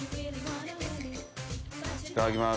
いただきます。